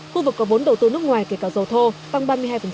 khu vực có vốn đầu tư nước ngoài kể cả dầu thô tăng ba mươi hai